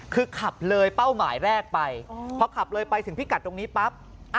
คือขับเลยเป้าหมายแรกไปพอขับเลยไปถึงพิกัดตรงนี้ปั๊บ